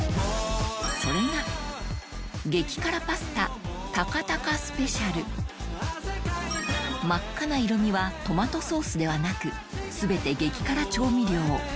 それが真っ赤な色みはトマトソースではなく全て激辛調味料